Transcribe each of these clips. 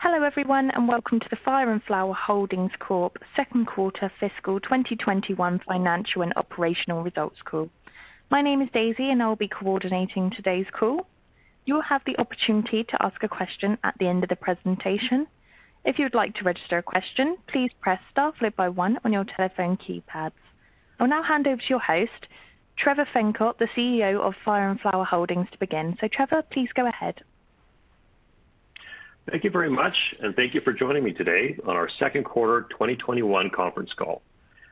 Hello, everyone, and welcome to the Fire & Flower Holdings Corp. Q2 fiscal 2021 financial and operational results call. My name is Daisy, and I will be coordinating today's call. You will have the opportunity to ask a question at the end of the presentation. If you'd like to register a question, please press star followed by one on your telephone keypads. I'll now hand over to your host, Trevor Fencott, the CEO of Fire & Flower Holdings, to begin. Trevor, please go ahead. Thank you very much, and thank you for joining me today on our Q2 2021 conference call.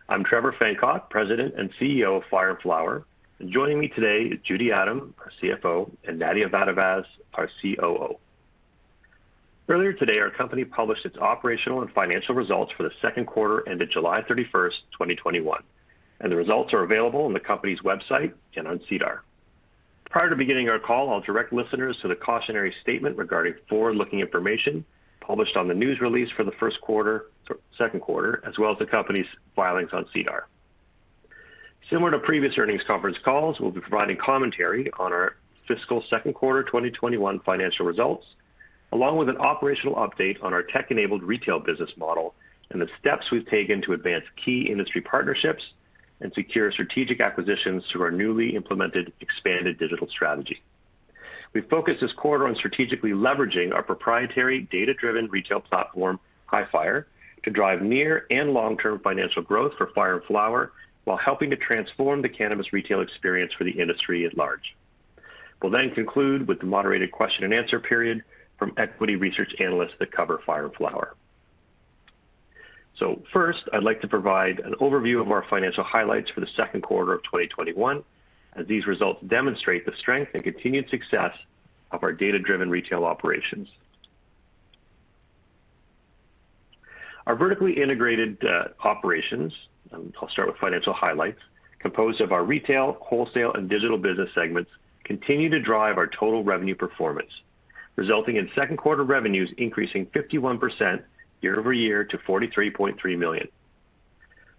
I'm Trevor Fencott, President and CEO of Fire & Flower. Joining me today is Judy Adam, our CFO, and Nadia Vattovaz, our COO. Earlier today, our company published its operational and financial results for the Q2 ended July 31, 2021, and the results are available on the company's website and on SEDAR. Prior to beginning our call, I'll direct listeners to the cautionary statement regarding forward-looking information published on the news release for the Q2, as well as the company's filings on SEDAR. Similar to previous earnings conference calls, we'll be providing commentary on our fiscal Q2 2021 financial results, along with an operational update on our tech-enabled retail business model and the steps we've taken to advance key industry partnerships and secure strategic acquisitions through our newly implemented expanded digital strategy. We focused this quarter on strategically leveraging our proprietary data-driven retail platform, Hifyre, to drive near and long-term financial growth for Fire & Flower, while helping to transform the cannabis retail experience for the industry at large. We'll then conclude with the moderated question-and-answer period from equity research analysts that cover Fire & Flower. First, I'd like to provide an overview of our financial highlights for the Q2 of 2021, as these results demonstrate the strength and continued success of our data-driven retail operations. Our vertically integrated operations, and I'll start with financial highlights, composed of our retail, wholesale, and digital business segments, continue to drive our total revenue performance, resulting in Q2 revenues increasing 51% year-over-year to 43.3 million.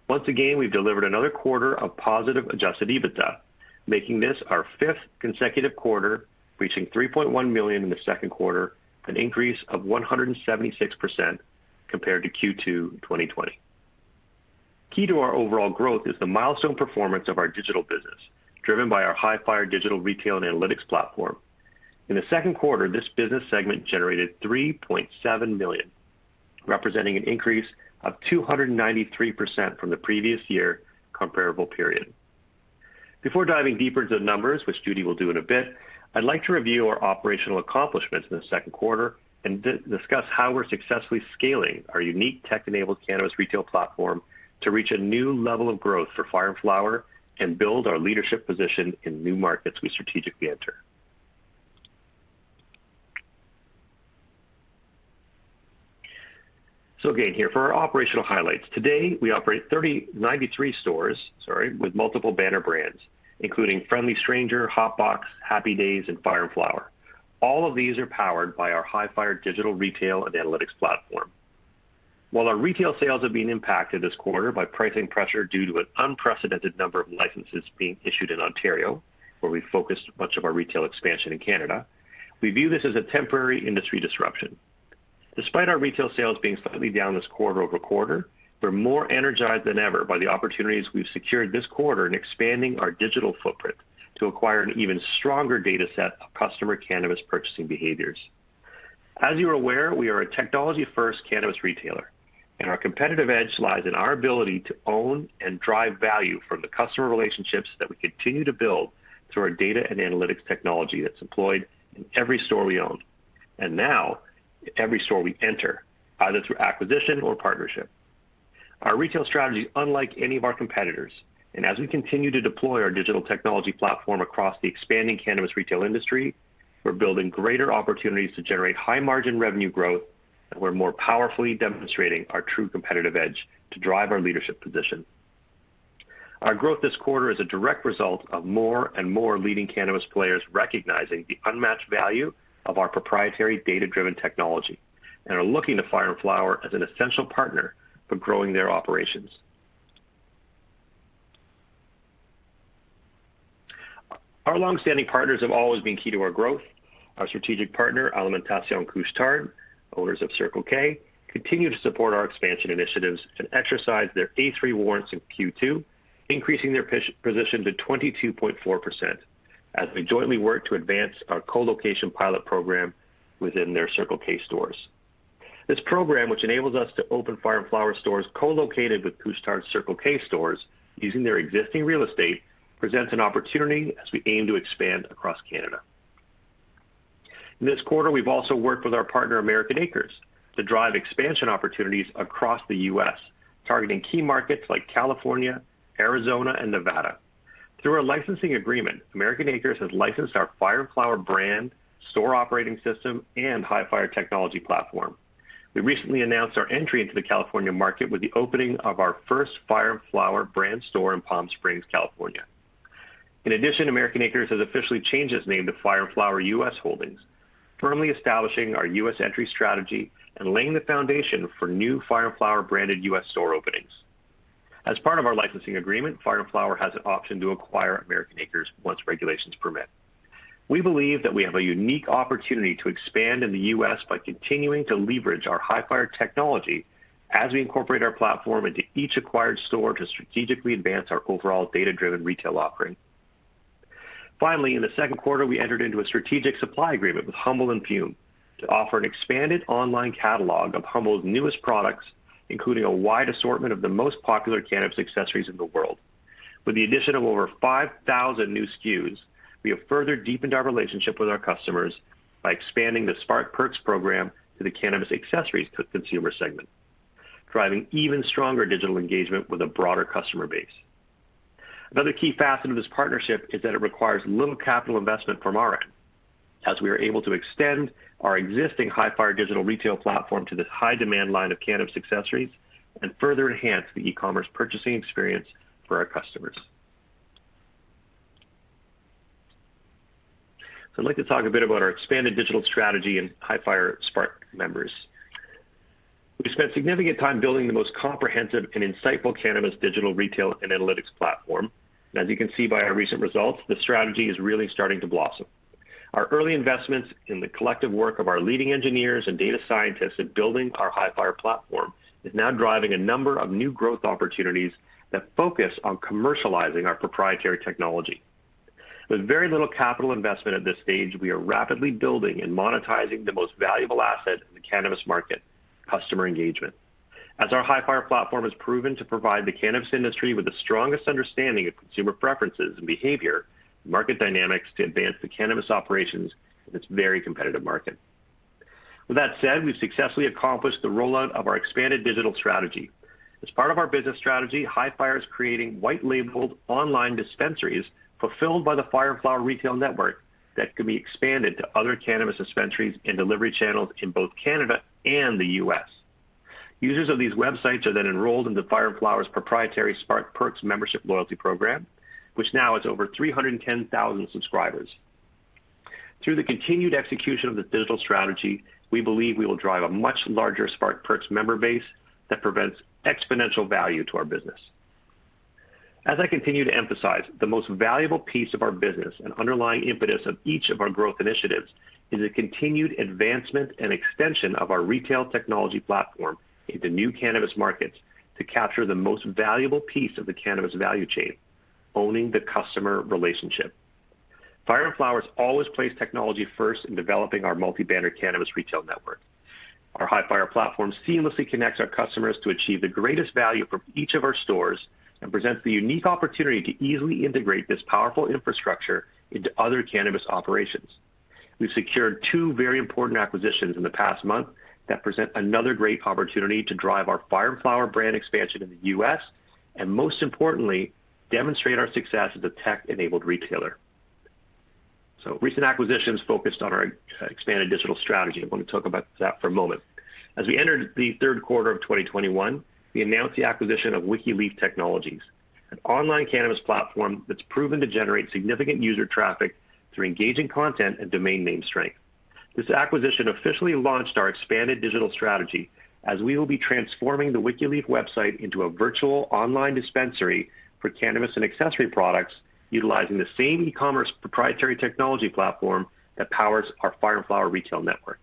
Once again, we've delivered another quarter of positive adjusted EBITDA, making this our 5th consecutive quarter, reaching 3.1 million in the Q2, an increase of 176% compared to Q2 2020. Key to our overall growth is the milestone performance of our digital business, driven by our Hifyre digital retail and analytics platform. In the Q2, this business segment generated 3.7 million, representing an increase of 293% from the previous year comparable period. Before diving deeper into the numbers, which Judy will do in a bit, I'd like to review our operational accomplishments in the Q2 and discuss how we're successfully scaling our unique tech-enabled cannabis retail platform to reach a new level of growth for Fire & Flower and build our leadership position in new markets we strategically enter. Again, here are our operational highlights. To date, we operate 93 stores, sorry, with multiple banner brands, including Friendly Stranger, Hotbox, Happy Dayz, and Fire & Flower. All of these are powered by our Hifyre digital retail and analytics platform. While our retail sales have been impacted this quarter by pricing pressure due to an unprecedented number of licenses being issued in Ontario, where we focused much of our retail expansion in Canada, we view this as a temporary industry disruption. Despite our retail sales being slightly down this quarter-over-quarter, we're more energized than ever by the opportunities we've secured this quarter in expanding our digital footprint to acquire an even stronger data set of customer cannabis purchasing behaviors. As you are aware, we are a technology-first cannabis retailer, and our competitive edge lies in our ability to own and drive value from the customer relationships that we continue to build through our data and analytics technology that's employed in every store we own and now every store we enter, either through acquisition or partnership. Our retail strategy is unlike any of our competitors, and as we continue to deploy our digital technology platform across the expanding cannabis retail industry, we're building greater opportunities to generate high-margin revenue growth, and we're more powerfully demonstrating our true competitive edge to drive our leadership position. Our growth this quarter is a direct result of more and more leading cannabis players recognizing the unmatched value of our proprietary data-driven technology and are looking to Fire & Flower as an essential partner for growing their operations. Our long-standing partners have always been key to our growth. Our strategic partner, Alimentation Couche-Tard, owners of Circle K, continued to support our expansion initiatives and exercise their A-3 warrants in Q2, increasing their position to 22.4% as we jointly work to advance our co-location pilot program within their Circle K stores. This program, which enables us to open Fire & Flower stores co-located with Couche-Tard's Circle K stores using their existing real estate, presents an opportunity as we aim to expand across Canada. In this quarter, we've also worked with our partner, American Acres, to drive expansion opportunities across the U.S., targeting key markets like California, Arizona, and Nevada. Through our licensing agreement, American Acres has licensed our Fire & Flower brand, store operating system, and Hifyre technology platform. We recently announced our entry into the California market with the opening of our first Fire & Flower brand store in Palm Springs, California. In addition, American Acres has officially changed its name to Fire & Flower U.S. Holdings, firmly establishing our U.S. entry strategy and laying the foundation for new Fire & Flower branded U.S. store openings. As part of our licensing agreement, Fire & Flower has an option to acquire American Acres once regulations permit. We believe that we have a unique opportunity to expand in the US by continuing to leverage our Hifyre technology as we incorporate our platform into each acquired store to strategically advance our overall data-driven retail offering. Finally, in the Q2, we entered into a strategic supply agreement with Humble & Fume to offer an expanded online catalog of Humble & Fume's newest products, including a wide assortment of the most popular cannabis accessories in the world. With the addition of over 5,000 new SKUs, we have further deepened our relationship with our customers by expanding the Spark Perks program to the cannabis accessories to consumer segment, driving even stronger digital engagement with a broader customer base. Another key facet of this partnership is that it requires little capital investment from our end, as we are able to extend our existing Hifyre digital retail platform to this high-demand line of cannabis accessories and further enhance the e-commerce purchasing experience for our customers. I'd like to talk a bit about our expanded digital strategy in Hifyre Spark members. We spent significant time building the most comprehensive and insightful cannabis digital retail and analytics platform. As you can see by our recent results, the strategy is really starting to blossom. Our early investments in the collective work of our leading engineers and data scientists in building our Hifyre platform is now driving a number of new growth opportunities that focus on commercializing our proprietary technology. With very little capital investment at this stage, we are rapidly building and monetizing the most valuable asset in the cannabis market, customer engagement. As our Hifyre platform has proven to provide the cannabis industry with the strongest understanding of consumer preferences and behavior, market dynamics to advance the cannabis operations in this very competitive market. With that said, we've successfully accomplished the rollout of our expanded digital strategy. As part of our business strategy, Hifyre is creating white-labeled online dispensaries fulfilled by the Fire & Flower retail network that can be expanded to other cannabis dispensaries and delivery channels in both Canada and the U.S. Users of these websites are then enrolled in the Fire & Flower's proprietary Spark Perks membership loyalty program, which now has over 310,000 subscribers. Through the continued execution of this digital strategy, we believe we will drive a much larger Spark Perks member base that prevents exponential value to our business. As I continue to emphasize, the most valuable piece of our business and underlying impetus of each of our growth initiatives is a continued advancement and extension of our retail technology platform into new cannabis markets to capture the most valuable piece of the cannabis value chain, owning the customer relationship. Fire & Flower has always placed technology first in developing our multi-brand cannabis retail network. Our Hifyre platform seamlessly connects our customers to achieve the greatest value from each of our stores and presents the unique opportunity to easily integrate this powerful infrastructure into other cannabis operations. We've secured 2 very important acquisitions in the past month that present another great opportunity to drive our Fire & Flower brand expansion in the US, and most importantly, demonstrate our success as a tech-enabled retailer. Recent acquisitions focused on our expanded digital strategy. I want to talk about that for a moment. As we entered the Q3 of 2021, we announced the acquisition of Wikileaf Technologies, an online cannabis platform that's proven to generate significant user traffic through engaging content and domain name strength. This acquisition officially launched our expanded digital strategy as we will be transforming the Wikileaf website into a virtual online dispensary for cannabis and accessory products utilizing the same e-commerce proprietary technology platform that powers our Fire & Flower retail network.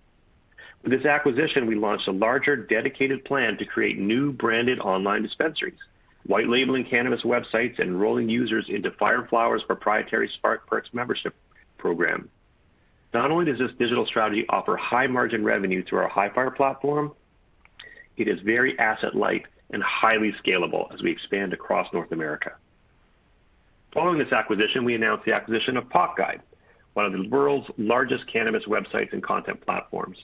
With this acquisition, we launched a larger dedicated plan to create new branded online dispensaries, white labeling cannabis websites, enrolling users into Fire & Flower's proprietary Spark Perks membership program. Not only does this digital strategy offer high-margin revenue through our Hifyre platform, it is very asset light and highly scalable as we expand across North America. Following this acquisition, we announced the acquisition of PotGuide, one of the world's largest cannabis websites and content platforms.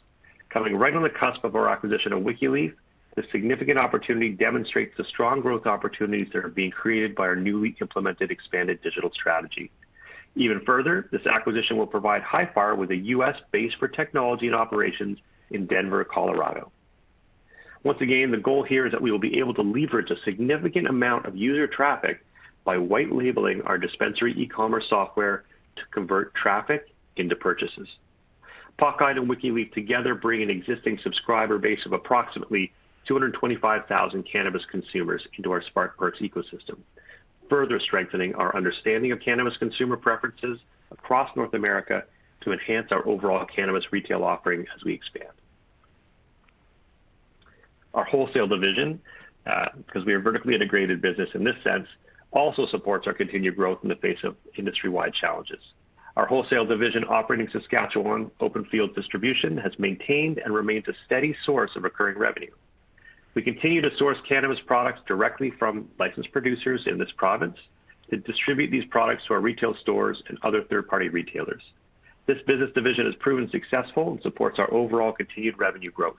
Coming right on the cusp of our acquisition of Wikileaf, this significant opportunity demonstrates the strong growth opportunities that are being created by our newly implemented expanded digital strategy. Even further, this acquisition will provide Hifyre with a U.S. base for technology and operations in Denver, Colorado. Once again, the goal here is that we will be able to leverage a significant amount of user traffic by white labeling our dispensary e-commerce software to convert traffic into purchases. PotGuide and Wikileaf together bring an existing subscriber base of approximately 225,000 cannabis consumers into our Spark Perks ecosystem, further strengthening our understanding of cannabis consumer preferences across North America to enhance our overall cannabis retail offering as we expand. Our wholesale division, because we are a vertically integrated business in this sense, also supports our continued growth in the face of industry-wide challenges. Our wholesale division operating Saskatchewan Open Fields Distribution has maintained and remains a steady source of recurring revenue. We continue to source cannabis products directly from licensed producers in this province to distribute these products to our retail stores and other third-party retailers. This business division has proven successful and supports our overall continued revenue growth.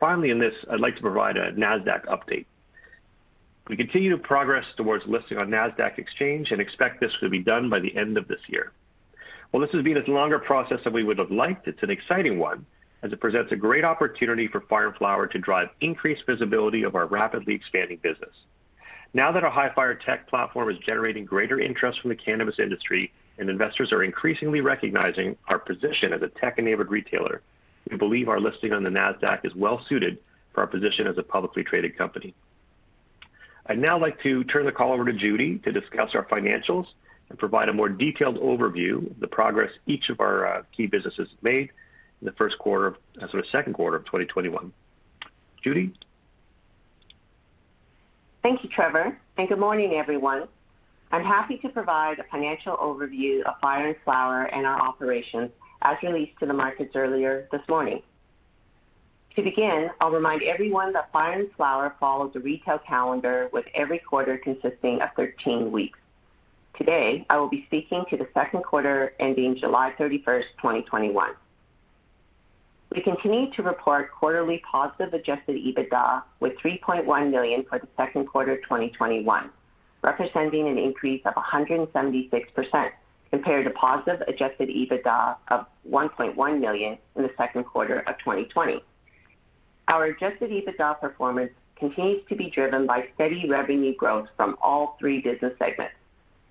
Finally, in this, I'd like to provide a Nasdaq update. We continue to progress towards listing on the Nasdaq and expect this to be done by the end of this year. While this has been a longer process than we would have liked, it's an exciting one as it presents a great opportunity for Fire & Flower to drive increased visibility of our rapidly expanding business. Now that our Hifyre tech platform is generating greater interest from the cannabis industry and investors are increasingly recognizing our position as a tech-enabled retailer, we believe our listing on the Nasdaq is well suited for our position as a publicly traded company. I'd now like to turn the call over to Judy to discuss our financials and provide a more detailed overview of the progress each of our key businesses made in the Q2 of 2021. Judy. Thank you, Trevor, and good morning, everyone. I'm happy to provide a financial overview of Fire & Flower and our operations as released to the markets earlier this morning. To begin, I'll remind everyone that Fire & Flower follows the retail calendar, with every quarter consisting of 13 weeks. Today, I will be speaking to the Q2 ending July 31, 2021. We continue to report quarterly positive adjusted EBITDA with 3.1 million for the Q2 of 2021, representing an increase of 176% compared to positive adjusted EBITDA of 1.1 million in the Q2 of 2020. Our adjusted EBITDA performance continues to be driven by steady revenue growth from all 3 business segments,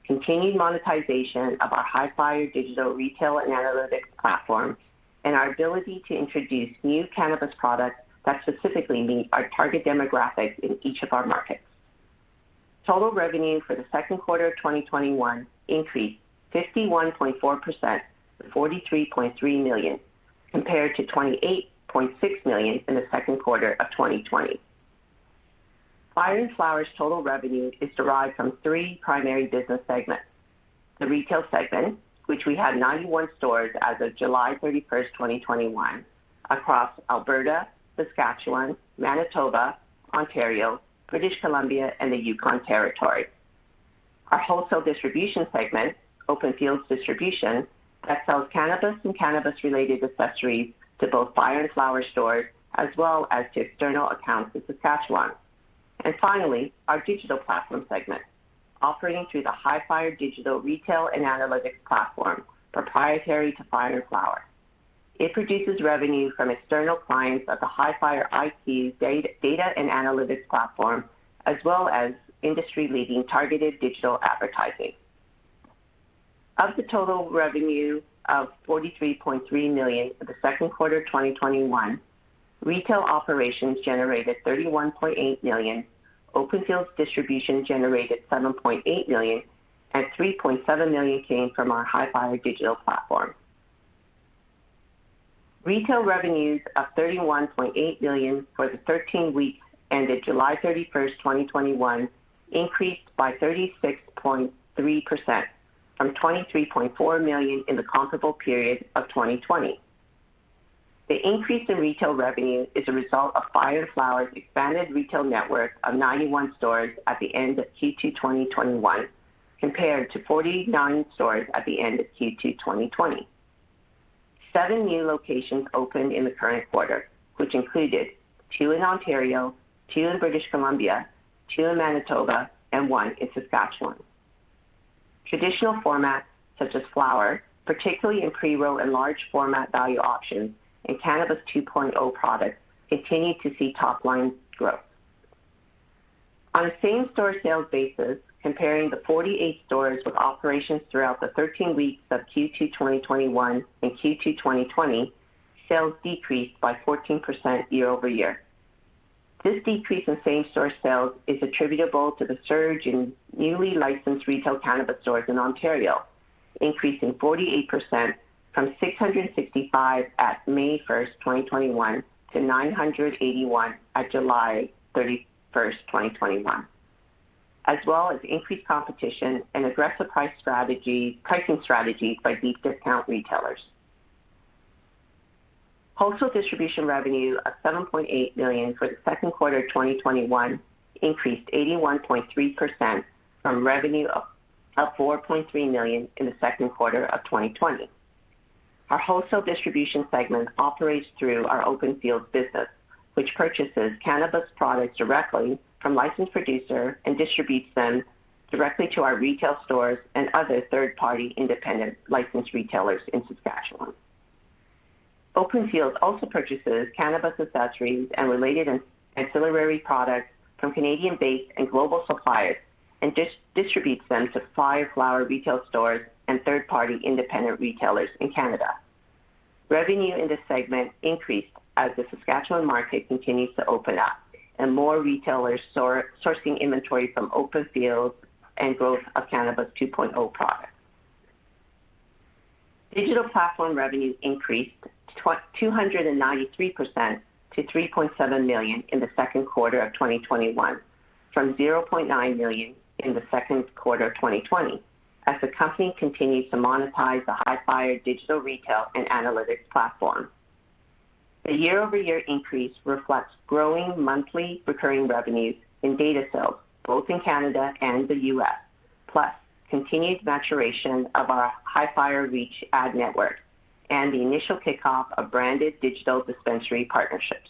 continued monetization of our Hifyre digital retail and analytics platform, and our ability to introduce new cannabis products that specifically meet our target demographics in each of our markets. Total revenue for the Q2 of 2021 increased 51.4% to 43.3 million, compared to 28.6 million in the Q2 of 2020. Fire & Flower's total revenue is derived from 3 primary business segments. The retail segment, which we had 91 stores as of July 31, 2021, across Alberta, Saskatchewan, Manitoba, Ontario, British Columbia, and the Yukon Territory. Our wholesale distribution segment, Open Fields Distribution, that sells cannabis and cannabis-related accessories to both Fire & Flower stores as well as to external accounts in Saskatchewan. Finally, our digital platform segment, operating through the Hifyre digital retail and analytics platform, proprietary to Fire & Flower. It produces revenue from external clients of the Hifyre IP data and analytics platform, as well as industry-leading targeted digital advertising. Of the total revenue of 43.3 million for the Q2 of 2021, retail operations generated 31.8 million, Open Fields Distribution generated 7.8 million, and 3.7 million came from our Hifyre digital platform. Retail revenues of 31.8 million for the 13 weeks ended July 31, 2021, increased by 36.3% from 23.4 million in the comparable period of 2020. The increase in retail revenue is a result of Fire & Flower's expanded retail network of 91 stores at the end of Q2 2021, compared to 49 stores at the end of Q2 2020. 7 new locations opened in the current quarter, which included 2 in Ontario, 2 in British Columbia, 2 in Manitoba, and 1 in Saskatchewan. Traditional formats such as flower, particularly in pre-roll and large format value options, and Cannabis 2.0 products continued to see top line growth. On a same-store sales basis, comparing the 48 stores with operations throughout the 13 weeks of Q2 2021 and Q2 2020, sales decreased by 14% year-over-year. This decrease in same-store sales is attributable to the surge in newly licensed retail cannabis stores in Ontario, increasing 48% from 665 at May 1, 2021, to 981 at July 31, 2021, as well as increased competition and aggressive pricing strategy by deep discount retailers. Wholesale distribution revenue of 7.8 million for the Q2 of 2021 increased 81.3% from revenue of 4.3 million in the Q2 of 2020. Our wholesale distribution segment operates through our Open Fields business, which purchases cannabis products directly from licensed producer and distributes them directly to our retail stores and other third-party independent licensed retailers in Saskatchewan. Open Fields also purchases cannabis accessories and related ancillary products from Canadian-based and global suppliers and distributes them to Fire & Flower retail stores and third-party independent retailers in Canada. Revenue in this segment increased as the Saskatchewan market continues to open up and more retailers sourcing inventory from Open Fields and growth of Cannabis 2.0 products. Digital platform revenue increased 293% to 3.7 million in the Q2 of 2021, from 0.9 million in the Q2 of 2020, as the company continues to monetize the Hifyre digital retail and analytics platform. The year-over-year increase reflects growing monthly recurring revenues in data sales, both in Canada and the U.S., plus continued maturation of our Hifyre Reach ad network and the initial kickoff of branded digital dispensary partnerships.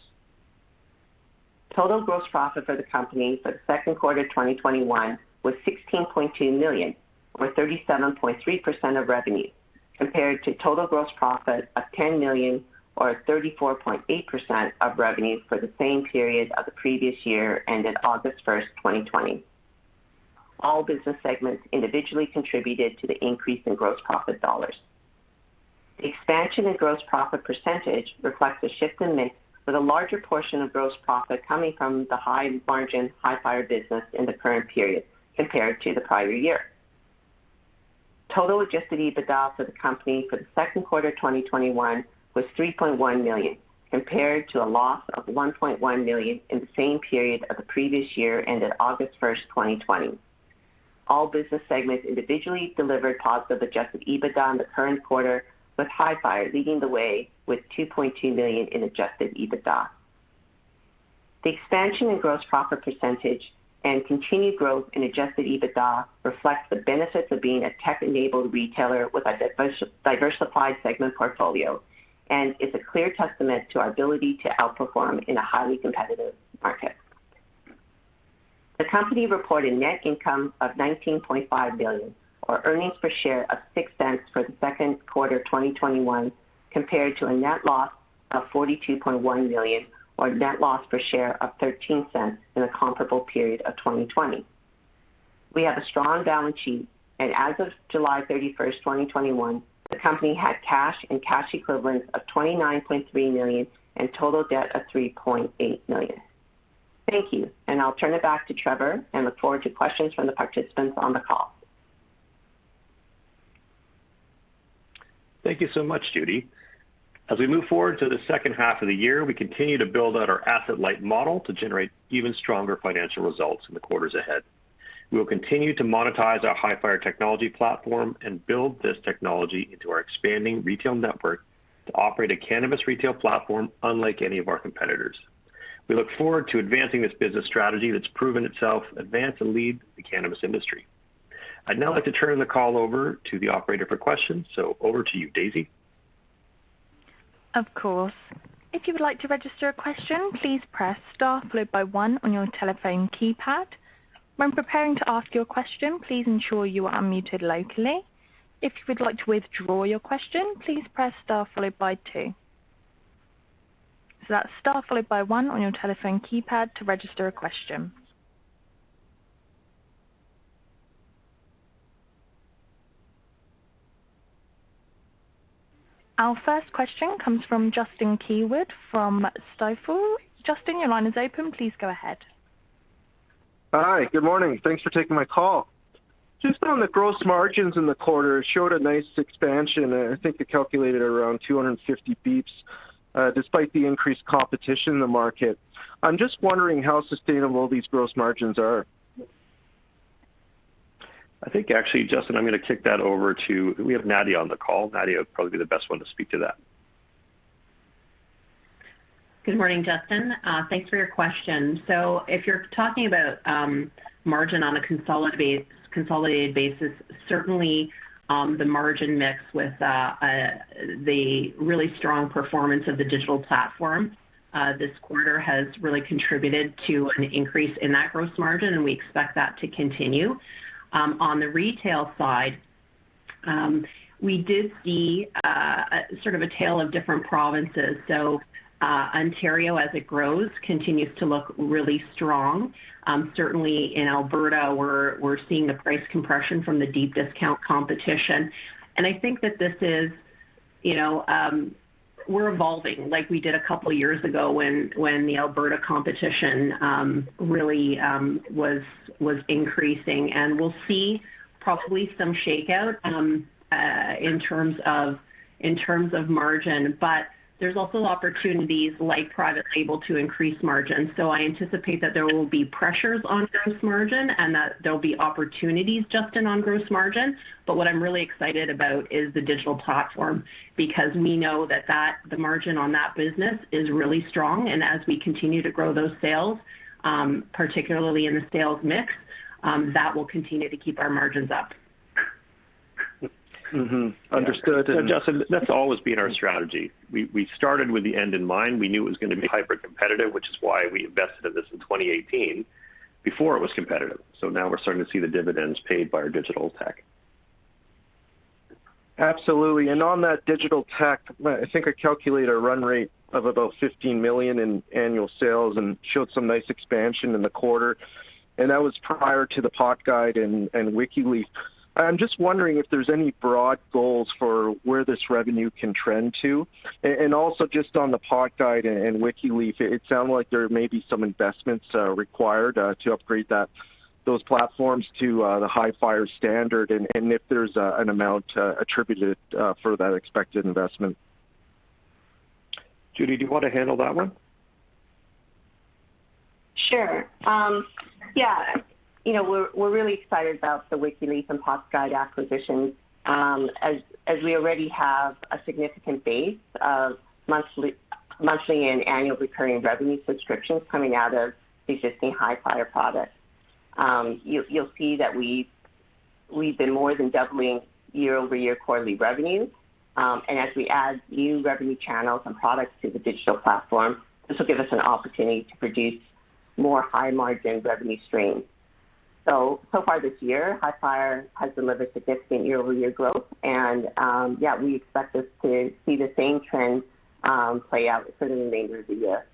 Total gross profit for the company for the Q2 of 2021 was 16.2 million or 37.3% of revenue. Compared to total gross profit of 10 million or 34.8% of revenue for the same period of the previous year ended August 1, 2020. All business segments individually contributed to the increase in gross profit dollars. Expansion in gross profit percentage reflects a shift in mix with a larger portion of gross profit coming from the high-margin, Hifyre business in the current period compared to the prior year. Total adjusted EBITDA for the company for the Q2 of 2021 was 3.1 million, compared to a loss of 1.1 million in the same period of the previous year ended August 1, 2020. All business segments individually delivered positive adjusted EBITDA in the current quarter, with Hifyre leading the way with 2.2 million in adjusted EBITDA. The expansion in gross profit percentage and continued growth in adjusted EBITDA reflects the benefits of being a tech-enabled retailer with a diversified segment portfolio, and it's a clear testament to our ability to outperform in a highly competitive market. The company reported net income of 19.5 billion, or earnings per share of 0.06 for the Q2 of 2021, compared to a net loss of 42.1 million, or a net loss per share of 0.13 in the comparable period of 2020. We have a strong balance sheet, and as of July 31, 2021, the company had cash and cash equivalents of 29.3 million and total debt of 3.8 million. Thank you, and I'll turn it back to Trevor and look forward to questions from the participants on the call. Thank you so much, Judy. As we move forward to the H2 of the year, we continue to build out our asset-light model to generate even stronger financial results in the quarters ahead. We will continue to monetize our Hifyre technology platform and build this technology into our expanding retail network to operate a cannabis retail platform unlike any of our competitors. We look forward to advancing this business strategy that's proven itself advanced and led the cannabis industry. I'd now like to turn the call over to the operator for questions. Over to you, Daisy. Of course. If you would like to register a question, please press star followed by one on your telephone keypad. When preparing to ask your question, please ensure you are unmuted locally. If you would like to withdraw your question, please press star followed by two. That's star followed by one on your telephone keypad to register a question. Our first question comes from Justin Keywood from Stifel. Justin, your line is open. Please go ahead. Hi, good morning. Thanks for taking my call. Just on the gross margins in the quarter, it showed a nice expansion. I think it calculated around 250 basis points, despite the increased competition in the market. I'm just wondering how sustainable these gross margins are. I think actually, Justin, I'm going to kick that over to. We have Nadia on the call. Nadia would probably be the best one to speak to that. Good morning, Justin. Thanks for your question. If you're talking about margin on a consolidated basis, certainly the margin mix with the really strong performance of the digital platform this quarter has really contributed to an increase in that gross margin, and we expect that to continue. On the retail side, we did see sort of a tale of different provinces. Ontario, as it grows, continues to look really strong. Certainly in Alberta, we're seeing the price compression from the deep discount competition. I think that this is, you know, we're evolving like we did a couple of years ago when the Alberta competition really was increasing. We'll see probably some shakeout in terms of margin. There's also opportunities like private label to increase margins. I anticipate that there will be pressures on gross margin and that there'll be opportunities, Justin, on gross margin. What I'm really excited about is the digital platform, because we know that the margin on that business is really strong. As we continue to grow those sales, particularly in the sales mix, that will continue to keep our margins up. Mm-hmm. Understood. Justin, that's always been our strategy. We started with the end in mind. We knew it was going to be hyper-competitive, which is why we invested in this in 2018 before it was competitive. Now we're starting to see the dividends paid by our digital tech. Absolutely. On that digital tech, I think I calculate a run rate of about 15 million in annual sales and showed some nice expansion in the quarter, and that was prior to the PotGuide and Wikileaf. I'm just wondering if there's any broad goals for where this revenue can trend to. Also just on the PotGuide and Wikileaf, it sounds like there may be some investments required to upgrade those platforms to the Hifyre standard and if there's an amount attributed for that expected investment. Judy, do you want to handle that one? Sure. Yeah. You know, we're really excited about the Wikileaf and PotGuide acquisitions, as we already have a significant base of monthly and annual recurring revenue subscriptions coming out of the existing Hifyre products. You'll see that we've been more than doubling year-over-year quarterly revenue. As we add new revenue channels and products to the digital platform, this will give us an opportunity to produce more high-margin revenue streams. So far this year, Hifyre has delivered significant year-over-year growth. Yeah, we expect to see the same trends play out for the remainder of the year.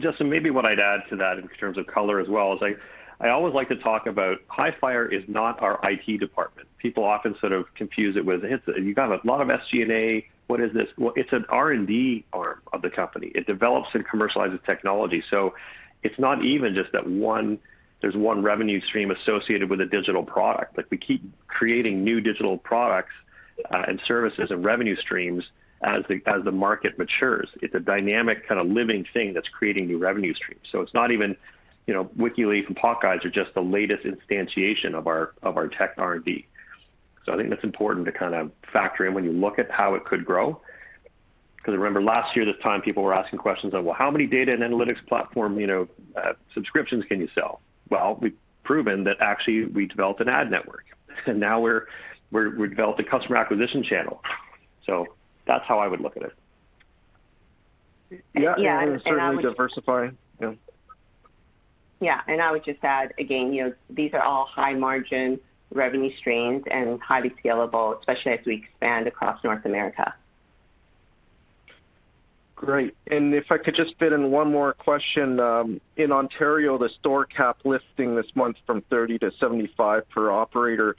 Justin, maybe what I'd add to that in terms of color as well is I always like to talk about Hifyre is not our IT department. People often sort of confuse it with it. It's a. You got a lot of SG&A. What is this? Well, it's an R&D arm of the company. It develops and commercializes technology. It's not even just that one, there's 1 revenue stream associated with a digital product. Like, we keep creating new digital products and services and revenue streams as the market matures. It's a dynamic kind of living thing that's creating new revenue streams. It's not even, you know, Wikileaf and PotGuide are just the latest instantiation of our tech R&D. I think that's important to kinda factor in when you look at how it could grow. 'Cause remember last year this time, people were asking questions on, "Well, how many data and analytics platform, you know, subscriptions can you sell?" Well, we've proven that actually we developed an ad network, and now we developed a customer acquisition channel. That's how I would look at it. Yeah, I would- Yeah, certainly diversify. Yeah. Yeah. I would just add again, you know, these are all high margin revenue streams and highly scalable, especially as we expand across North America. Great. If I could just fit in 1 more question. In Ontario, the store cap lifting this month from 30 to 75 per operator,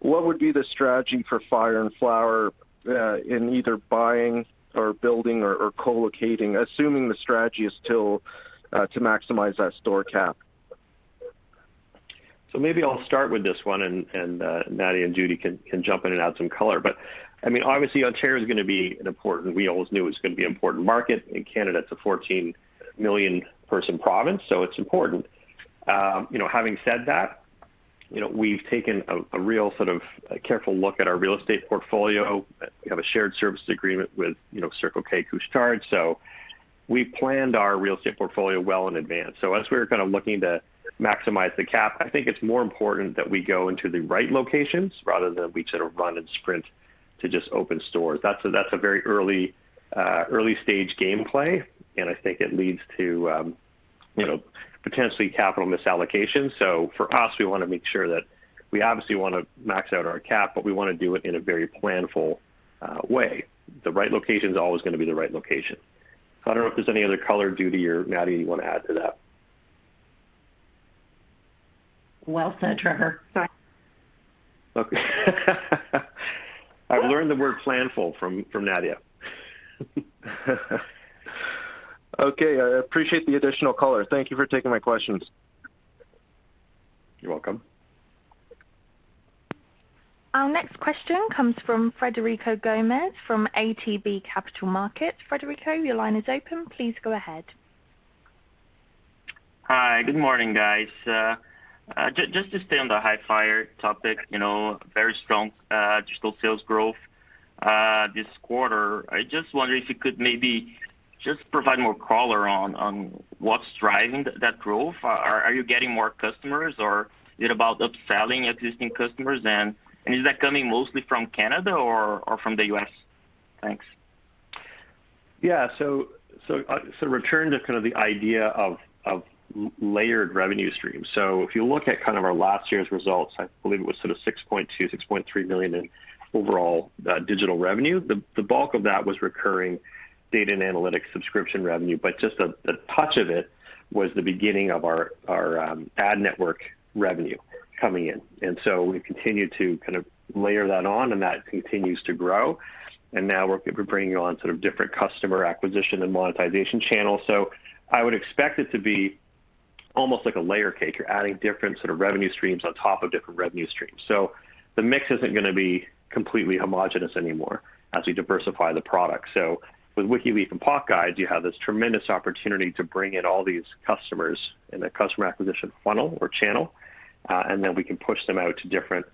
what would be the strategy for Fire & Flower in either buying or building or co-locating, assuming the strategy is still to maximize that store cap? Maybe I'll start with this one, and Nadia and Judy can jump in and add some color. I mean, obviously Ontario's gonna be an important. We always knew it was gonna be an important market, and Canada's a 14 million person province, so it's important. You know, having said that, you know, we've taken a real sort of a careful look at our real estate portfolio. We have a shared service agreement with, you know, Alimentation Couche-Tard, so we planned our real estate portfolio well in advance. As we're kind of looking to maximize the cap, I think it's more important that we go into the right locations rather than we sort of run and sprint to just open stores. That's a very early stage game plan, and I think it leads to, you know, potentially capital misallocation. For us, we wanna make sure that we obviously wanna max out our cap, but we wanna do it in a very planful way. The right location's always gonna be the right location. I don't know if there's any other color, Judy or Nadia, you wanna add to that. Well said, Trevor. Okay. I've learned the word planful from Nadia. Okay, I appreciate the additional color. Thank you for taking my questions. You're welcome. Our next question comes from Frederico Gomes from ATB Capital Markets. Frederico, your line is open. Please go ahead. Hi. Good morning, guys. Just to stay on the Hifyre topic, you know, very strong digital sales growth this quarter. I just wonder if you could maybe just provide more color on what's driving that growth. Are you getting more customers or is it about upselling existing customers? Is that coming mostly from Canada or from the US? Thanks. Returning to kind of the idea of layered revenue streams. If you look at kind of our last year's results, I believe it was sort of 6.2 million to 6.3 million in overall digital revenue. The bulk of that was recurring data and analytics subscription revenue, but just a touch of it was the beginning of our ad network revenue coming in. We've continued to kind of layer that on, and that continues to grow. Now we're bringing on sort of different customer acquisition and monetization channels. I would expect it to be almost like a layer cake. You're adding different sort of revenue streams on top of different revenue streams. The mix isn't gonna be completely homogeneous anymore as we diversify the product. With Wikileaf and PotGuide, you have this tremendous opportunity to bring in all these customers in the customer acquisition funnel or channel, and then we can push them out to different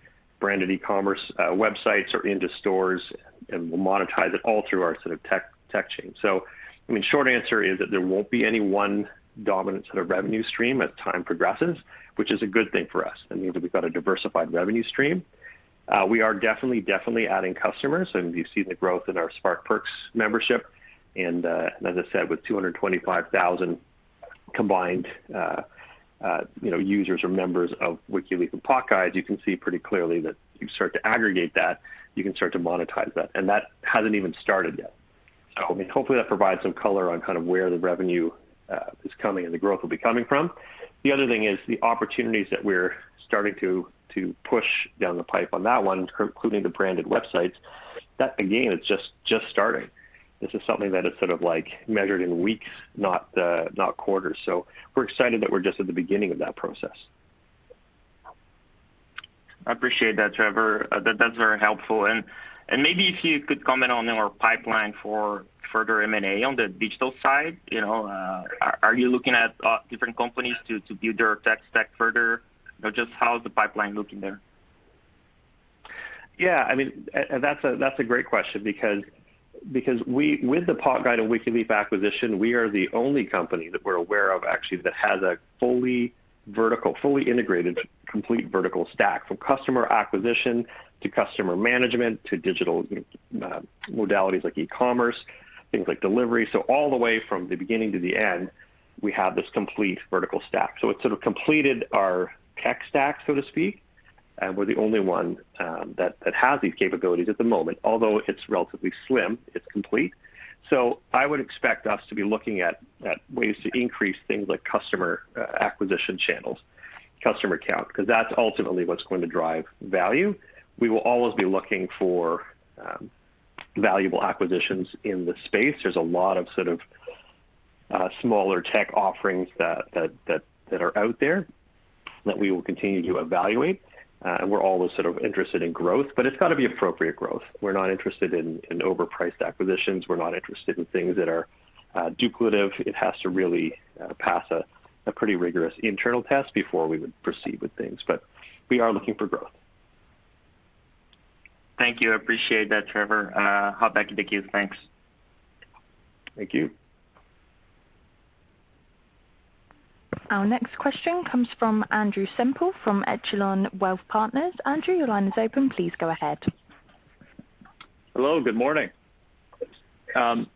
branded e-commerce websites or into stores, and we'll monetize it all through our sort of tech chain. I mean, short answer is that there won't be any 1 dominant sort of revenue stream as time progresses, which is a good thing for us. That means that we've got a diversified revenue stream. We are definitely adding customers, and you've seen the growth in our Spark Perks membership. As I said, with 225,000 combined, you know, users or members of Wikileaf and PotGuide, you can see pretty clearly that you start to aggregate that, you can start to monetize that, and that hasn't even started yet. I mean, hopefully that provides some color on kind of where the revenue is coming and the growth will be coming from. The other thing is the opportunities that we're starting to push down the pipe on that one, including the branded websites, that again is just starting. This is something that is sort of like measured in weeks, not quarters. We're excited that we're just at the beginning of that process. I appreciate that, Trevor. That's very helpful. Maybe if you could comment on our pipeline for further M&A on the digital side. You know, are you looking at different companies to build your tech stack further? Or just how's the pipeline looking there? Yeah, I mean, that's a great question because with the PotGuide and Wikileaf acquisition, we are the only company that we're aware of actually that has a fully vertical, fully integrated complete vertical stack from customer acquisition to customer management to digital, you know, modalities like e-commerce, things like delivery. All the way from the beginning to the end, we have this complete vertical stack. It sort of completed our tech stack, so to speak. We're the only one that has these capabilities at the moment, although it's relatively slim, it's complete. I would expect us to be looking at ways to increase things like customer acquisition channels, customer count, because that's ultimately what's going to drive value. We will always be looking for valuable acquisitions in the space. There's a lot of sort of smaller tech offerings that are out there that we will continue to evaluate. We're always sort of interested in growth, but it's got to be appropriate growth. We're not interested in overpriced acquisitions. We're not interested in things that are duplicative. It has to really pass a pretty rigorous internal test before we would proceed with things. We are looking for growth. Thank you. I appreciate that, Trevor. Hop back into queue. Thanks. Thank you. Our next question comes from Andrew Semple from Echelon Wealth Partners. Andrew, your line is open. Please go ahead. Hello. Good morning. Good morning.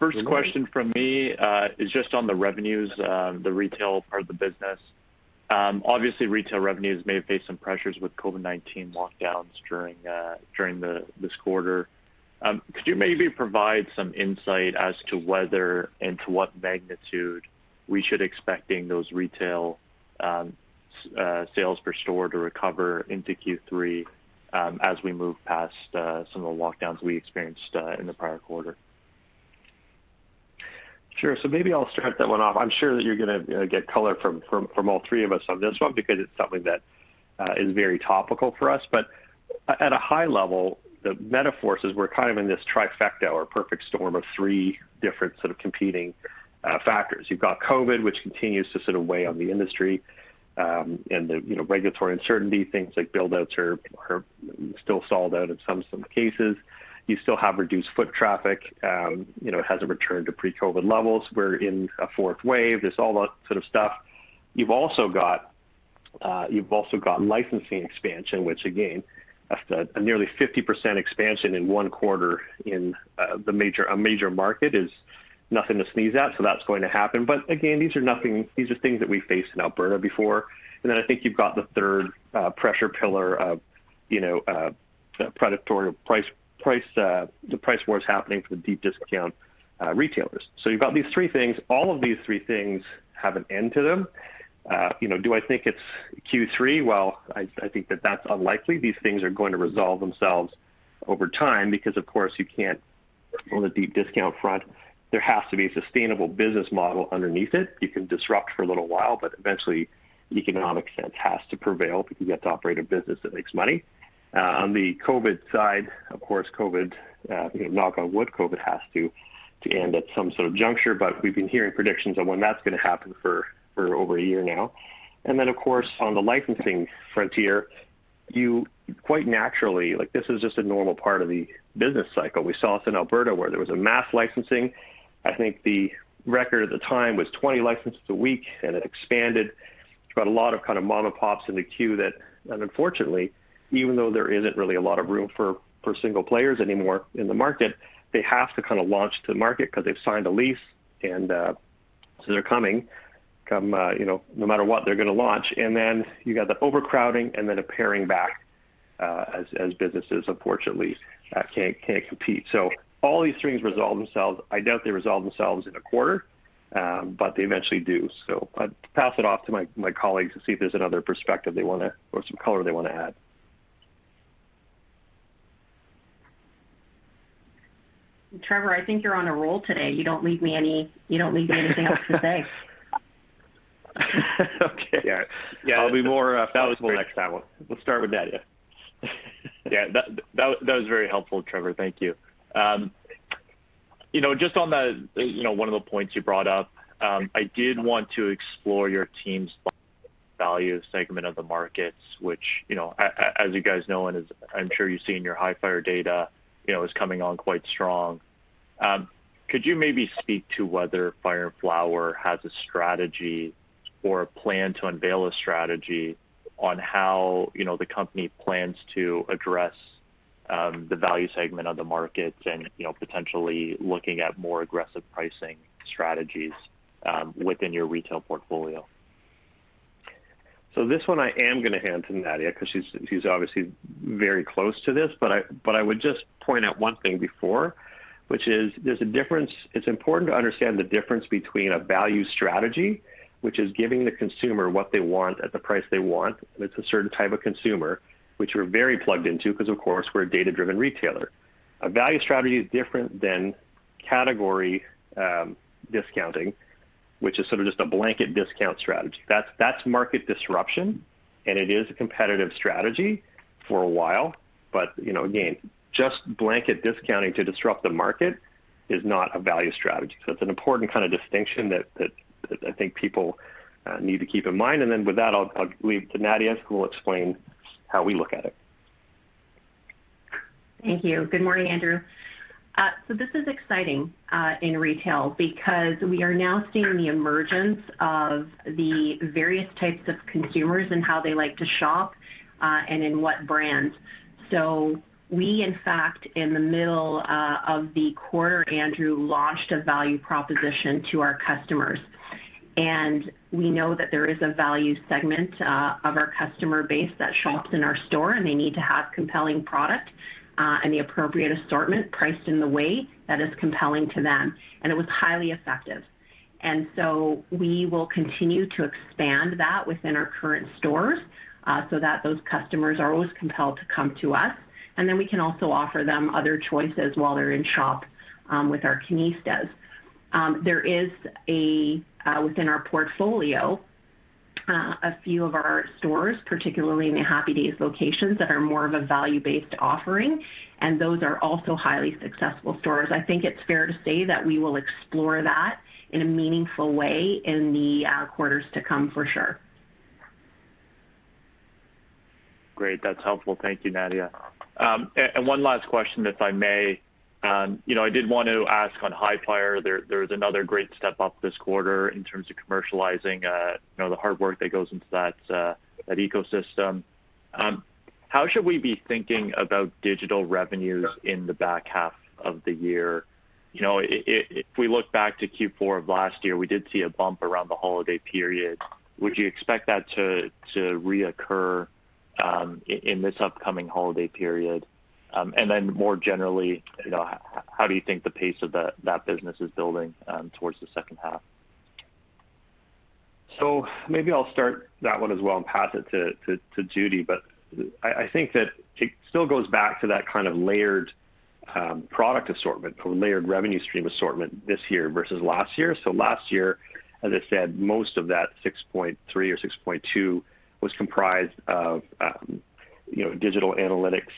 First question from me is just on the revenues, the retail part of the business. Obviously, retail revenues may have faced some pressures with COVID-19 lockdowns during this quarter. Could you maybe provide some insight as to whether and to what magnitude we should expecting those retail sales per store to recover into Q3, as we move past some of the lockdowns we experienced in the prior quarter? Sure. Maybe I'll start that one off. I'm sure that you're gonna, you know, get color from all 3 of us on this one because it's something that is very topical for us. At a high level, the major force is we're kind of in this trifecta or perfect storm of 3 different sort of competing factors. You've got COVID, which continues to sort of weigh on the industry, and the, you know, regulatory uncertainty, things like build-outs are still stalled out in some cases. You still have reduced foot traffic, you know, it hasn't returned to pre-COVID levels. We're in a 4th wave, this all that sort of stuff. You've also got licensing expansion, which again, a nearly 50% expansion in 1 quarter in the major. A major market is nothing to sneeze at, so that's going to happen. Again, these are things that we faced in Alberta before. Then I think you've got the third pressure pillar of, you know, the predatory price wars happening for the deep discount retailers. You've got these 3 things. All of these 3 things have an end to them. You know, do I think it's Q3? Well, I think that that's unlikely. These things are going to resolve themselves over time because of course, you can't, on the deep discount front, there has to be a sustainable business model underneath it. You can disrupt for a little while, but eventually economic sense has to prevail because you have to operate a business that makes money. On the COVID side, of course, COVID, you know, knock on wood, COVID has to to end at some sort of juncture, but we've been hearing predictions on when that's going to happen for over a year now. Of course, on the licensing frontier, you quite naturally like, this is just a normal part of the business cycle. We saw this in Alberta, where there was a mass licensing. I think the record at the time was 20 licenses a week, and it expanded. You've got a lot of kind of mom-and-pops in the queue that unfortunately, even though there isn't really a lot of room for single players anymore in the market, they have to kind of launch into the market because they've signed a lease and, so they're coming. You know, no matter what, they're going to launch. You got the overcrowding and then a paring back, as businesses unfortunately can't compete. All these things resolve themselves. I doubt they resolve themselves in a quarter, but they eventually do. I'll pass it off to my colleagues to see if there's another perspective they wanna or some color they wanna add. Trevor, I think you're on a roll today. You don't leave me anything else to say. Okay. Yeah. I'll be more fabulous next time. We'll start with Nadia. Yeah, that was very helpful, Trevor. Thank you. You know, just on the one of the points you brought up, I did want to explore your team's value segment of the markets, which, you know, as you guys know, and as I'm sure you've seen your Hifyre data, you know, is coming on quite strong. Could you maybe speak to whether Fire & Flower has a strategy or a plan to unveil a strategy on how, you know, the company plans to address the value segment of the market and, you know, potentially looking at more aggressive pricing strategies within your retail portfolio? This one I am gonna hand to Nadia because she's obviously very close to this. I would just point out 1 thing before, which is there's a difference. It's important to understand the difference between a value strategy, which is giving the consumer what they want at the price they want, and it's a certain type of consumer, which we're very plugged into because of course, we're a data-driven retailer. A value strategy is different than category discounting, which is sort of just a blanket discount strategy. That's market disruption, and it is a competitive strategy for a while. You know, again, just blanket discounting to disrupt the market is not a value strategy. It's an important kind of distinction that I think people need to keep in mind. With that, I'll leave to Nadia, who will explain how we look at it. Thank you. Good morning, Andrew. This is exciting in retail because we are now seeing the emergence of the various types of consumers and how they like to shop and in what brands. We, in fact, in the middle of the quarter, Andrew, launched a value proposition to our customers. We know that there is a value segment of our customer base that shops in our store, and they need to have compelling product and the appropriate assortment priced in the way that is compelling to them, and it was highly effective. We will continue to expand that within our current stores so that those customers are always compelled to come to us. Then we can also offer them other choices while they're in shop with our Cannistas. There is within our portfolio a few of our stores, particularly in the Happy Dayz locations that are more of a value-based offering, and those are also highly successful stores. I think it's fair to say that we will explore that in a meaningful way in the quarters to come for sure. Great. That's helpful. Thank you, Nadia. 1 last question, if I may. You know, I did want to ask on Hifyre. There was another great step-up this quarter in terms of commercializing, you know, the hard work that goes into that ecosystem. How should we be thinking about digital revenues in the back half of the year? You know, if we look back to Q4 of last year, we did see a bump around the holiday period. Would you expect that to reoccur in this upcoming holiday period? More generally, you know, how do you think the pace of that business is building towards the H2? Maybe I'll start that one as well and pass it to Judy. I think that it still goes back to that kind of layered product assortment or layered revenue stream assortment this year versus last year. Last year, as I said, most of that 6.3 or 6.2 was comprised of you know, digital analytics,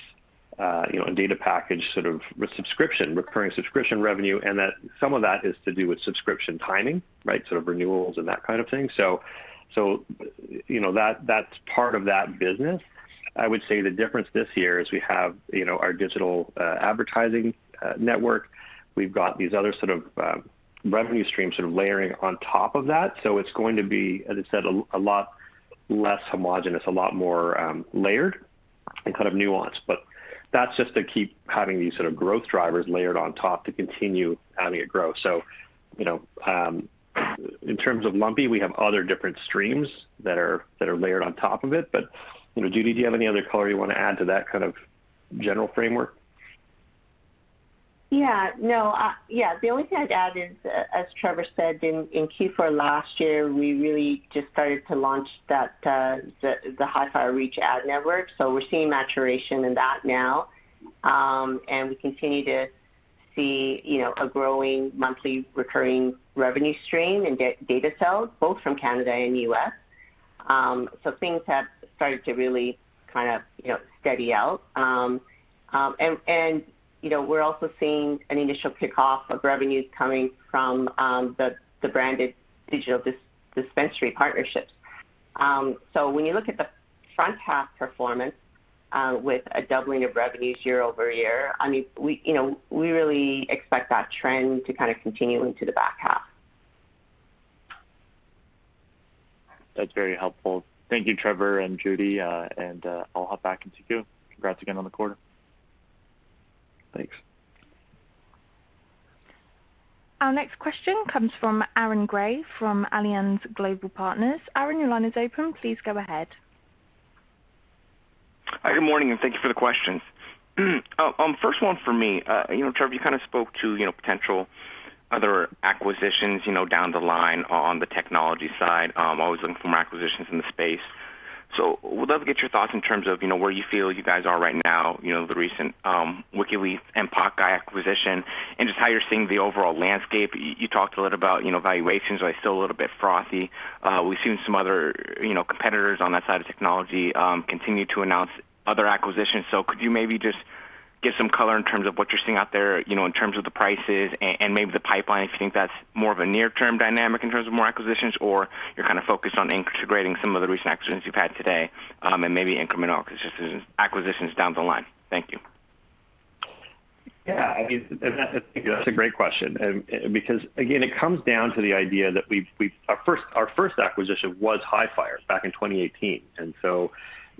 you know, and data package, sort of subscription, recurring subscription revenue, and that some of that is to do with subscription timing, right? Sort of renewals and that kind of thing. You know, that's part of that business. I would say the difference this year is we have you know, our digital advertising network. We've got these other sort of revenue streams sort of layering on top of that. It's going to be, as I said, a lot less homogeneous, a lot more layered and kind of nuanced. That's just to keep having these sort of growth drivers layered on top to continue having it grow. You know, in terms of Lumpy, we have other different streams that are layered on top of it. You know, Judy, do you have any other color you want to add to that kind of general framework? Yeah, the only thing I'd add is, as Trevor said, in Q4 last year, we really just started to launch the Hifyre Reach ad network. We're seeing maturation in that now. We continue to see, you know, a growing monthly recurring revenue stream in data sales, both from Canada and U.S. Things have started to really kind of, you know, steady out. We also, you know, are seeing an initial kickoff of revenues coming from the branded digital dispensary partnerships. When you look at the front half performance with a doubling of revenues year-over-year, I mean, you know, we really expect that trend to kind of continue into the back half. That's very helpful. Thank you, Trevor and Judy. I'll hop back into queue. Congrats again on the quarter. Thanks. Our next question comes from Aaron Grey from Alliance Global Partners. Aaron, your line is open. Please go ahead. Hi, good morning, and thank you for the questions. First one for me, you know, Trevor, you kind of spoke to, you know, potential other acquisitions, you know, down the line on the technology side, always looking for more acquisitions in the space. Would love to get your thoughts in terms of, you know, where you feel you guys are right now, you know, the recent Wikileaf and PotGuide acquisition and just how you're seeing the overall landscape. You talked a little about, you know, valuations are still a little bit frothy. We've seen some other, you know, competitors on that side of technology, continue to announce other acquisitions. Could you maybe just give some color in terms of what you're seeing out there, you know, in terms of the prices and maybe the pipeline, if you think that's more of a near-term dynamic in terms of more acquisitions or you're kind of focused on integrating some of the recent acquisitions you've had today, and maybe incremental acquisitions down the line. Thank you. Yeah. I mean, that's a great question, because again, it comes down to the idea that our first acquisition was Hifyre back in 2018.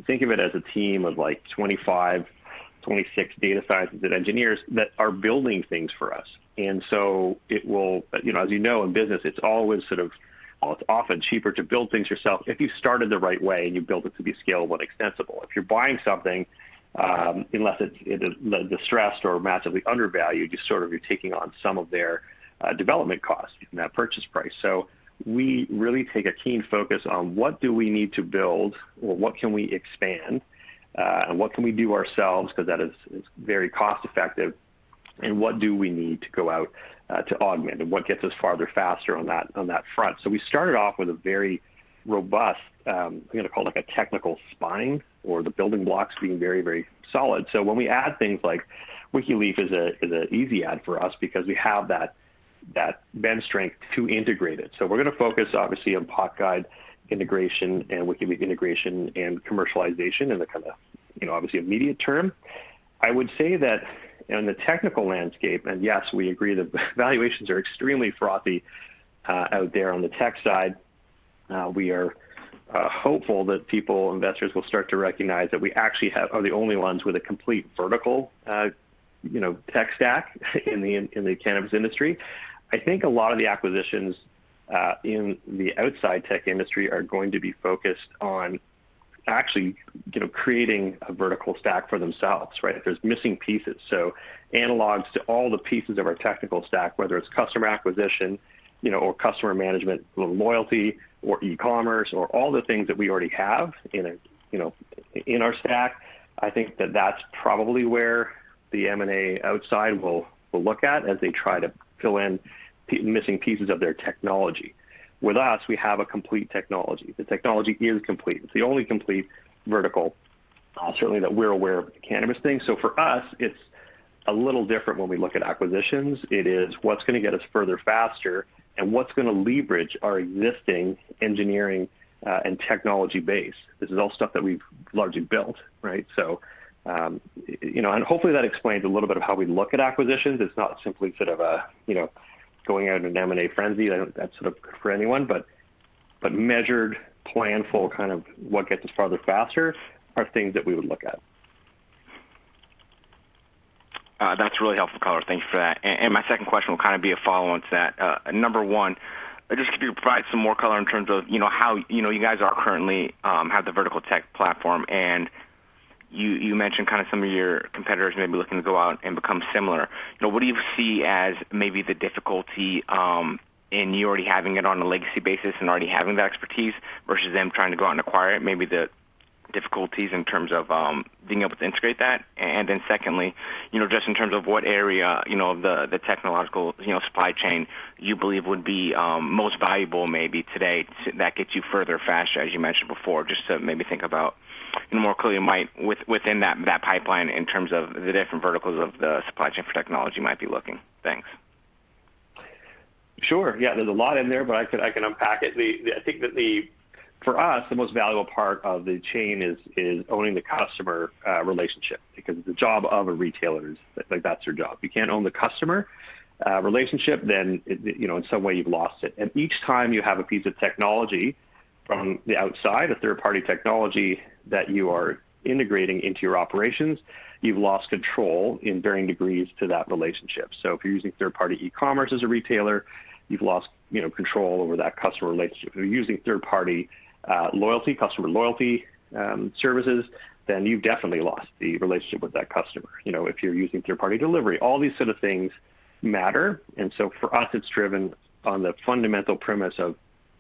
Think of it as a team of like 25, 26 data scientists and engineers that are building things for us. You know, as you know, in business, it's always sort of, or it's often cheaper to build things yourself if you started the right way and you build it to be scalable and extensible. If you're buying something, unless it's in the distressed or massively undervalued, you're sort of taking on some of their development costs in that purchase price. We really take a keen focus on what do we need to build or what can we expand, and what can we do ourselves because that is very cost-effective, and what do we need to go out to augment and what gets us farther faster on that front. We started off with a very robust, I'm gonna call it a technical spine or the building blocks being very, very solid. When we add things like Wikileaf is an easy add for us because we have that bandwidth to integrate it. We're gonna focus obviously on PotGuide integration and Wikileaf integration and commercialization in the kind of, you know, obviously immediate term. I would say that in the technical landscape, and yes, we agree the valuations are extremely frothy out there on the tech side. We are hopeful that people, investors will start to recognize that we actually are the only ones with a complete vertical tech stack in the cannabis industry. I think a lot of the acquisitions in the outside tech industry are going to be focused on actually creating a vertical stack for themselves, right? If there's missing pieces. Analogs to all the pieces of our technical stack, whether it's customer acquisition, you know, or customer management, loyalty or e-commerce or all the things that we already have in our stack. I think that that's probably where the M&A outside will look at as they try to fill in missing pieces of their technology. With us, we have a complete technology. The technology is complete. It's the only complete vertical, certainly that we're aware of with the cannabis thing. For us, it's a little different when we look at acquisitions. It is what's gonna get us further, faster, and what's gonna leverage our existing engineering, and technology base. This is all stuff that we've largely built, right? You know, and hopefully that explains a little bit of how we look at acquisitions. It's not simply sort of a, you know, going out on an M&A frenzy. I don't think that's sort of for anyone, but measured planful, kind of what gets us farther faster are things that we would look at. That's really helpful, caller. Thank you for that. My second question will kind of be a follow on to that. Number 1, just could you provide some more color in terms of, you know, you guys are currently have the vertical tech platform, and you mentioned kind of some of your competitors may be looking to go out and become similar. You know, what do you see as maybe the difficulty in you already having it on a legacy basis and already having that expertise versus them trying to go out and acquire it, maybe the difficulties in terms of being able to integrate that. Second, you know, just in terms of what area, you know, of the technological supply chain you believe would be most valuable maybe today that gets you further faster, as you mentioned before, just to maybe think about more clearly might within that pipeline in terms of the different verticals of the supply chain for technology might be looking? Thanks. Sure. Yeah. There's a lot in there, but I can unpack it. I think that the—for us, the most valuable part of the chain is owning the customer relationship, because the job of a retailer is. Like, that's your job. You can't own the customer relationship, then it, you know, in some way you've lost it. Each time you have a piece of technology from the outside, a third-party technology that you are integrating into your operations, you've lost control in varying degrees to that relationship. If you're using third-party e-commerce as a retailer, you've lost, you know, control over that customer relationship. If you're using third-party loyalty, customer loyalty services, then you've definitely lost the relationship with that customer. You know, if you're using third-party delivery, all these sort of things matter. For us, it's driven on the fundamental premise of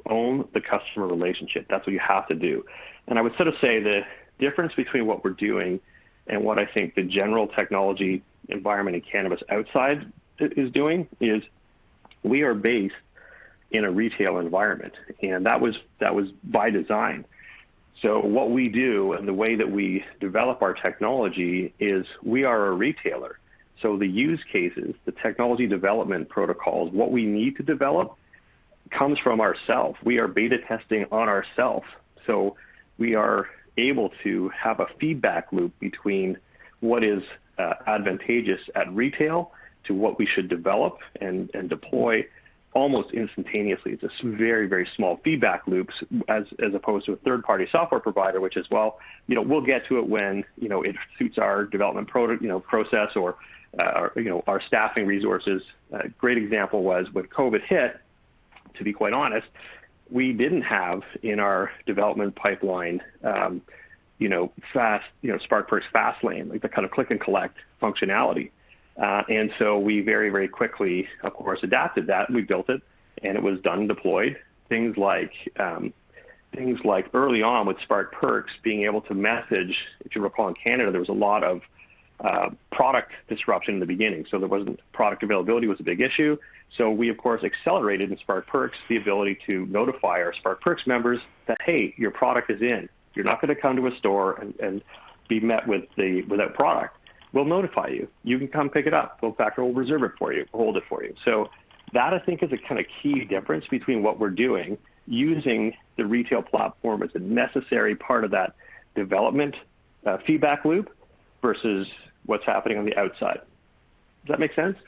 own the customer relationship. That's what you have to do. I would sort of say the difference between what we're doing and what I think the general technology environment in cannabis outside is doing is we are based in a retail environment. That was by design. What we do and the way that we develop our technology is we are a retailer. The use cases, the technology development protocols, what we need to develop comes from ourselves. We are beta testing on ourselves. We are able to have a feedback loop between what is advantageous at retail to what we should develop and deploy almost instantaneously. It's a very, very small feedback loops as opposed to a third-party software provider, which is, "Well, you know, we'll get to it when, you know, it suits our development process or, you know, our staffing resources." A great example was when COVID hit, to be quite honest, we didn't have in our development pipeline, you know, fast, you know, Spark Fastlane, like the kind of click and collect functionality. We very, very quickly, of course, adapted that. We built it, and it was done, deployed. Things like early on with Spark Perks, being able to message. If you recall, in Canada, there was a lot of product disruption in the beginning. Product availability was a big issue. We, of course, accelerated in Spark Perks the ability to notify our Spark Perks members that, "Hey, your product is in. You're not gonna come to a store and be met with that product. We'll notify you. You can come pick it up. Go back, and we'll reserve it for you, hold it for you." That, I think, is a kind of key difference between what we're doing using the retail platform as a necessary part of that development, feedback loop versus what's happening on the outside. Does that make sense?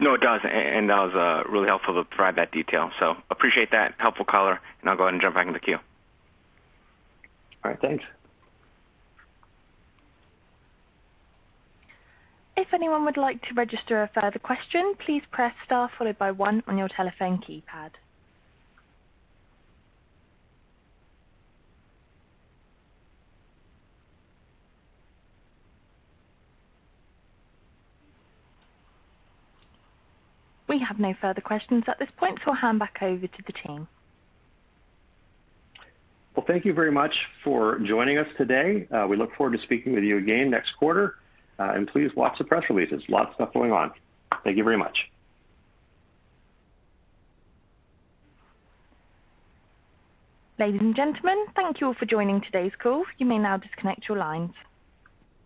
No, it does. That was really helpful to provide that detail. Appreciate that. Helpful color. I'll go ahead and jump back in the queue. All right. Thanks. If anyone would like to register a further question, please press star followed by one on your telephone keypad. We have no further questions at this point, so I'll hand back over to the team. Well, thank you very much for joining us today. We look forward to speaking with you again next quarter. Please watch the press releases. Lots of stuff going on. Thank you very much. Ladies and gentlemen, thank you all for joining today's call. You may now disconnect your lines.